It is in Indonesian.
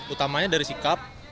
utamanya dari sikap